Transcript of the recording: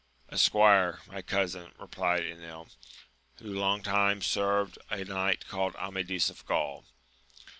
A squire, my cousin, replied Enil, who long time served a knight called Amadis of G aul.